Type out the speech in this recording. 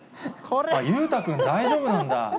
裕太君、大丈夫なんだ。